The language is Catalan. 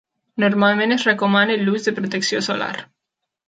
Normalment es recomana l'ús de protecció solar.